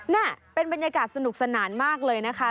นี่เป็นบรรยากาศสนุกสนานมากเลยนะคะ